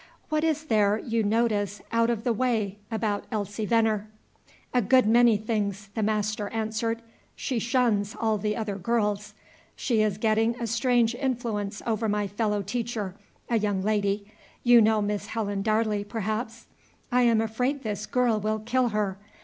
"What is there you notice out of the way about Elsie Venner?" "A good many things," the master answered. "She shuns all the other girls. She is getting a strange influence over my fellow teacher, a young lady, you know Miss Helen Darley, perhaps? I am afraid this girl will kill her.